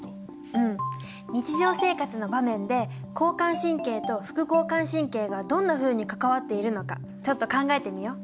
うん日常生活の場面で交感神経と副交感神経がどんなふうに関わっているのかちょっと考えてみよう。